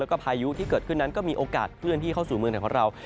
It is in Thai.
แล้วก็พายุที่เกิดขึ้นนั้นก็มีโอกาสเคลื่อนที่เข้าสู่เมืองไทยของเรา